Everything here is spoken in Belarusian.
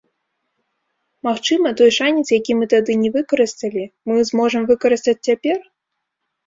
Магчыма, той шанец, які мы тады не выкарысталі, мы зможам выкарыстаць цяпер?